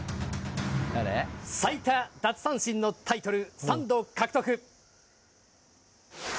最多奪三振のタイトル３度獲得。